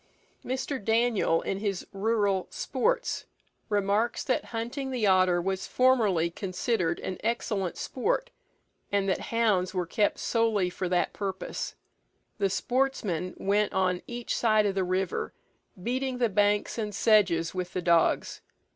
Mr. Daniell, in his "Rural Sports," remarks that hunting the otter was formerly considered as excellent sport, and that hounds were kept solely for that purpose. The sportsmen went on each side of the river, beating the banks and sedges with the dogs.